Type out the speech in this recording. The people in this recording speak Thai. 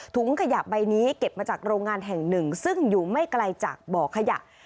ถุงขยะใบนี้เก็บมาจากโรงงานแห่งหนึ่งซึ่งอยู่ไม่ไกลจากบ่อขยะ